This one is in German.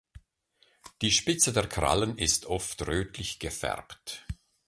Die Spitze der Krallen ist oft rötlich gefärbt.